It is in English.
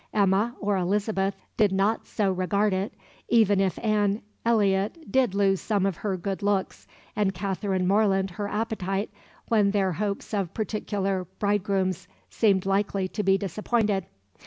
Emma or Elizabeth did not so regard it, even if Anne Elliot did lose some of her good looks and Catherine Morland her appetite when their hopes of particular bridegrooms seemed likely to be disappointed.